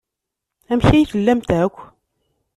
Amek ay tellamt akk?